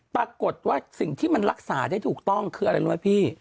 ปรากฏว่าสิ่งที่มันรักษาได้ถูกต้องคืออะไรรู้ไหมพี่